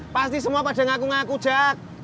pasti semua pada ngaku ngaku jak